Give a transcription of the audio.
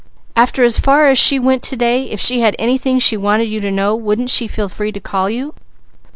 "After as far as she went to day, if she had anything she wanted you to know, wouldn't she feel free to call you?"